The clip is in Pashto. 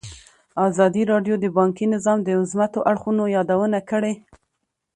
ازادي راډیو د بانکي نظام د مثبتو اړخونو یادونه کړې.